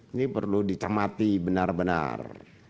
ini perlu dicermati benar benar